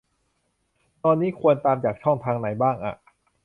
ตอนนี้ควรตามจากช่องทางไหนบ้างอะ ?